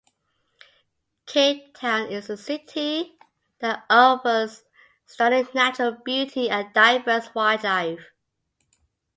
Cape Town is a city that offers stunning natural beauty and diverse wildlife.